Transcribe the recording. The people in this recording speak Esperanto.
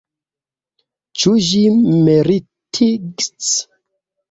Ĉu ĝi meritits?